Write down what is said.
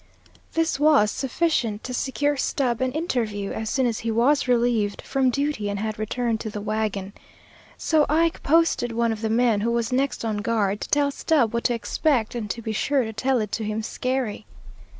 This was sufficient to secure Stubb an interview, as soon as he was relieved from duty and had returned to the wagon. So Ike posted one of the men who was next on guard to tell Stubb what to expect, and to be sure to tell it to him scary.